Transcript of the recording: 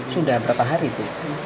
sudah berapa hari itu